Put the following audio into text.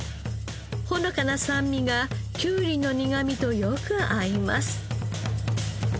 ほのかな酸味がきゅうりの苦みとよく合います。